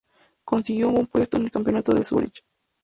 Consiguió un buen puesto en el Campeonato de Zúrich.